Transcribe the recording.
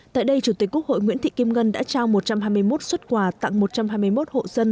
tại đây chủ tịch quốc hội nguyễn thị kim ngân đã trao một trăm hai mươi một xuất quà tặng một trăm hai mươi một hộ dân